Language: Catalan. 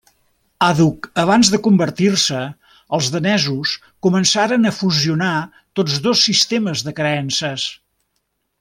Àdhuc abans de convertir-se, els danesos començaren a fusionar tots dos sistemes de creences.